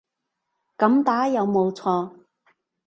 噉打有冇錯